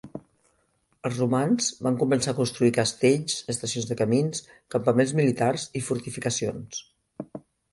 Els romans van començar a construir castells, estacions de camins, campaments militars i fortificacions.